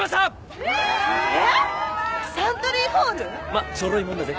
まっちょろいもんだぜ。